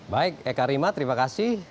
baik eka rima terima kasih